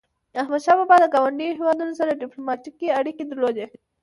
احمدشاه بابا د ګاونډیو هیوادونو سره ډیپلوماټيکي اړيکي درلودی.